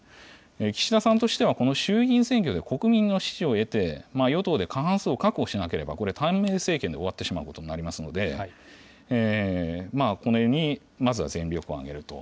岸田さんとしては、この衆議院選挙で国民の支持を得て、与党で過半数を確保しなければ、これ短命政権で終わってしまうことになりますので、このように、まずは全力を挙げると。